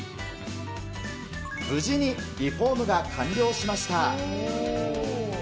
無事にリフォームが完了しました。